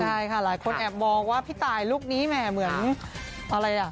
ใช่ค่ะหลายคนแอบมองว่าพี่ตายลูกนี้แหมเหมือนอะไรอ่ะ